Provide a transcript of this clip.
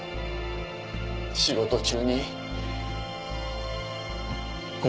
仕事中に心